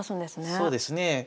そうですねえ。